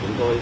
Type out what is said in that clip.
điều tạo ra